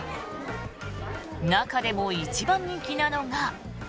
中でも一番人気なのが。